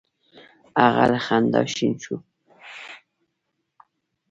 هغه له خندا شین شو: